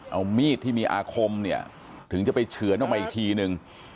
เอามีดที่มีอาคมเนี่ยถึงจะไปเฉือนออกมาอีกทีนึง